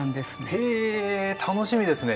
ヘえ楽しみですね。